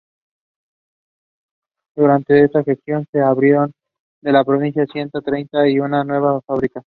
Durante esta gestión, se abrieron en la provincia ciento treinta y una nuevas fábricas.